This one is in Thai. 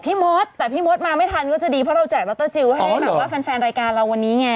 มดแต่พี่มดมาไม่ทันก็จะดีเพราะเราแจกลอตเตอรี่จิลให้แบบว่าแฟนแฟนรายการเราวันนี้ไง